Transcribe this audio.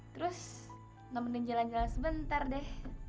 terus nemenin jalan jalan sebentar deh